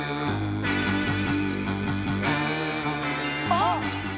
あっ！